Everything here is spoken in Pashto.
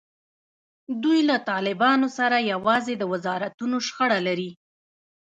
دوی له طالبانو سره یوازې د وزارتونو شخړه لري.